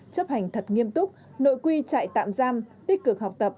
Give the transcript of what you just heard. chấp hành thật nghiêm túc nội quy trại tạm giam tích cực học tập